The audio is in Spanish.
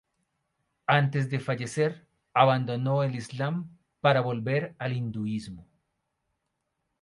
Antes de fallecer abandonó el islam para volver al hinduismo.